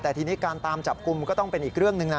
แต่ทีนี้การตามจับกลุ่มก็ต้องเป็นอีกเรื่องหนึ่งนะ